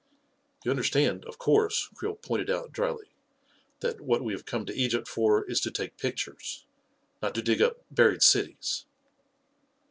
" You understand, of course," Creel pointed out drily, " that what we have come to Egypt for is to take pictures, not to dig up buried cities."